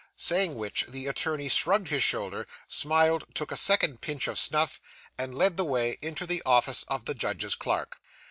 Saying which, the attorney shrugged his shoulders, smiled, took a second pinch of snuff, and led the way into the office of the judge's clerk.